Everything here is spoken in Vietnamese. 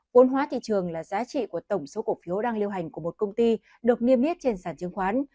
vốn hóa thị trường là giá trị của tổng số cổ phiếu đang liêu hành của một công ty được nghiêm biết trên sản chứng khoán